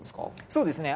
そうですね